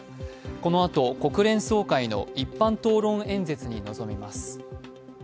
このあと国連総会の一般討論演説に臨みます。